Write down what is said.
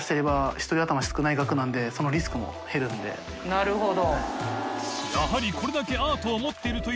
なるほど。